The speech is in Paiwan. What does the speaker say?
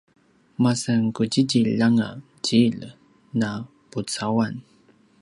masan qudjidjilj anga djilj na pucauan